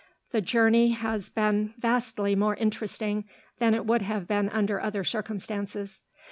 The journey has been vastly more interesting than it would have been under other circumstances.